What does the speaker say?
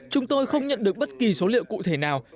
chúng tôi không nhận được bất kỳ số liệu cụ thể nào